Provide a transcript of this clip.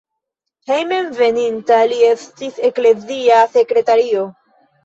Hejmenveninta li estis eklezia sekretario.